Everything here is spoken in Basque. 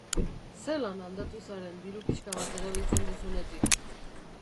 Zelan aldatu zaren diru pixka bat erabiltzen duzunetik!